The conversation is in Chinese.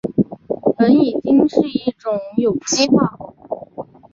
苯乙腈是一种有机化合物。